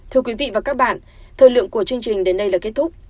thưa quý vị và các bạn thời lượng của chương trình đến đây là kết thúc